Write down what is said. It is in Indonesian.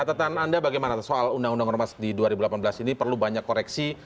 catatan anda bagaimana soal undang undang ormas di dua ribu delapan belas ini perlu banyak koreksi